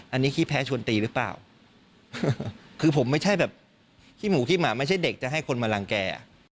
อันนี้ขี้แพ้ชวนตีหรือเปล่าคือผมไม่ใช่แบบขี้หมูขี้หมาไม่ใช่เด็กจะให้คนมารังแก่